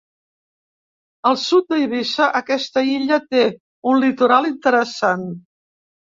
Al sud d’Eivissa, aquesta illa té un litoral interessant.